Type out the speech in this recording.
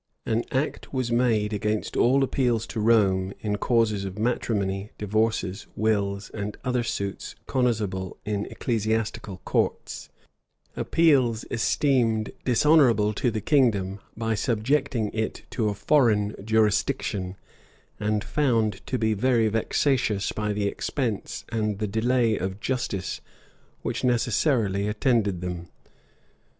An act was made against all appeals to Rome in causes of matrimony, divorces, wills, and other suits cognizable in ecclesiastical courts; appeals esteemed dishonorable to the kingdom, by subjecting it to a foreign jurisdiction; and found to be very vexatious by the expense and the delay of justice which necessarily attended them.